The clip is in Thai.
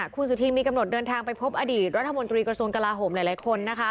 คุณสุธินมีกำหนดเดินทางไปพบอดีตรัฐมนตรีกระทรวงกลาโหมหลายคนนะคะ